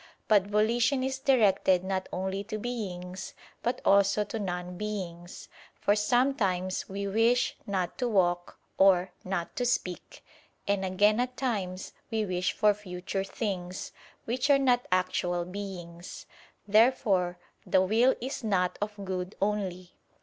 But volition is directed not only to beings, but also to non beings. For sometimes we wish "not to walk," or "not to speak"; and again at times we wish for future things, which are not actual beings. Therefore the will is not of good only.